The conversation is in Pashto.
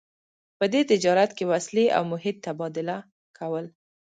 په دې تجارت کې وسلې او مهت تبادله کول.